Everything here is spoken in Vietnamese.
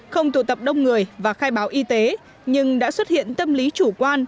không tụ tập đông người và khai báo y tế nhưng đã xuất hiện tâm lý chủ quan